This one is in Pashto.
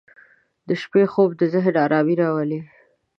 • د شپې خوب د ذهن آرامي راولي.